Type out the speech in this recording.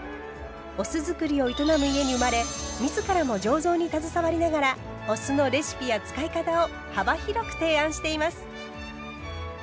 お酢造りを営む家に生まれ自らも醸造に携わりながらお酢のレシピや使い方を幅広く提案しています。